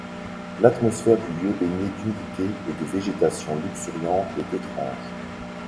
L'atmosphère du lieu baigné d'humidité et de végétation luxuriante est étrange.